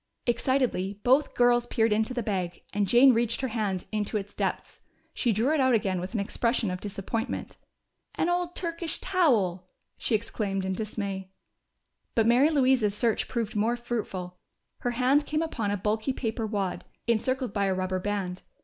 Excitedly both girls peered into the bag, and Jane reached her hand into its depths. She drew it out again with an expression of disappointment. "An old Turkish towel!" she exclaimed in dismay. But Mary Louise's search proved more fruitful. Her hand came upon a bulky paper wad, encircled by a rubber band.